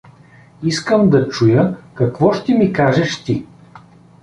Искам да чуя какво ще ми кажеш ти.